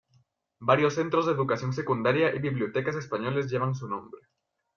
Varios centros de educación secundaria y bibliotecas españoles llevan su nombre.